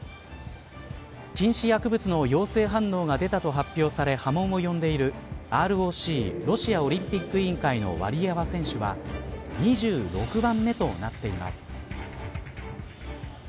禁止薬物の陽性反応が出たと発表され波紋を呼んでいるＲＯＣロシアオリンピック委員会のワリエワ選手は２６番目となっています。